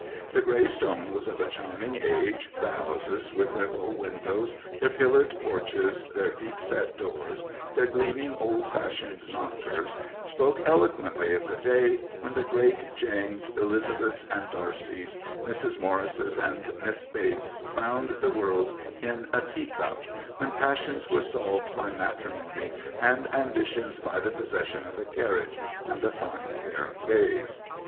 The grey stone was of a charming age, the houses with their bow windows, their pillared porches, their deep set doors, their gleaming old fashioned knockers, spoke eloquently of the day when the great Jane's Elizabeths and D'Arcys, Mrs. Morrises and Misses Bates found the world in a tea cup, when passions were solved by matrimony and ambitions by the possession of a carriage and a fine pair of bays.